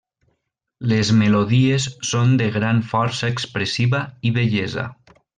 Les melodies són de gran força expressiva i bellesa.